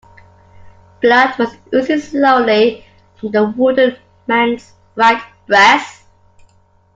Blood was oozing slowly from the wounded man's right breast.